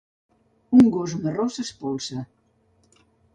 un gos marró s'espolsa